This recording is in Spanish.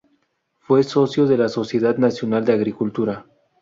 Fue socio de la Sociedad Nacional de Agricultura.